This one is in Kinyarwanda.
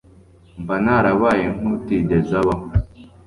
mba narabaye nk'utigeze abaho